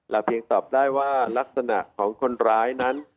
เพียงตอบได้ว่ารักษณะของคนร้ายนั้น